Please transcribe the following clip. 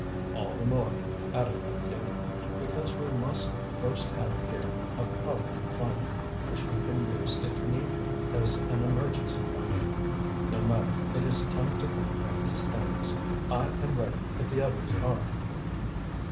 "All the more," added Étienne, "because we must first have here a Provident Fund, which we can use if need be as an emergency fund. No matter, it is time to think about these things. I am ready if the others are."